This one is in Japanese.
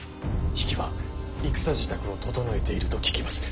比企は戦支度を調えていると聞きます。